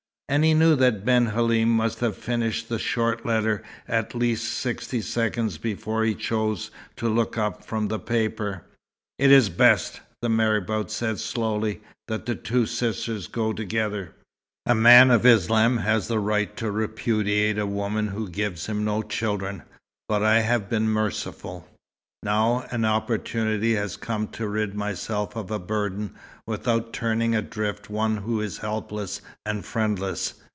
And he knew that Ben Halim must have finished the short letter at least sixty seconds before he chose to look up from the paper. "It is best," the marabout said slowly, "that the two sisters go together. A man of Islam has the right to repudiate a woman who gives him no children, but I have been merciful. Now an opportunity has come to rid myself of a burden, without turning adrift one who is helpless and friendless.